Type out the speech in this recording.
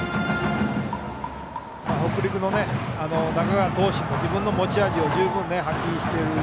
北陸の中川投手も自分の持ち味を十分発揮している